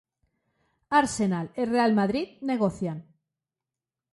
Arsenal e Real Madrid negocian.